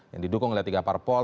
yang didukung oleh tiga parpol